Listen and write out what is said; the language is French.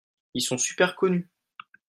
Ils sont super connus.